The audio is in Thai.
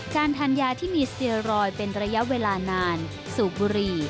การทานยาที่มีสเตียรอยด์เป็นระยะเวลานานสูบบุหรี่